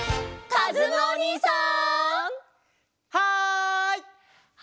かずむおにいさん！